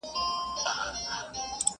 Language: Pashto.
په یو ترڅ کي یې ترې وکړله پوښتنه.!